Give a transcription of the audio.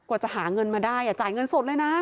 กว่าจะหาเงินมาได้จ่ายเงินสดเลยนะ